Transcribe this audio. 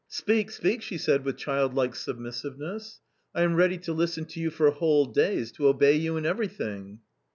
"Speak, speak," she said with childlike submissiveness. 11 1 am ready to listen to you for whole days, to obey you in everything."